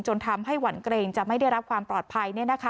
ทำให้หวั่นเกรงจะไม่ได้รับความปลอดภัย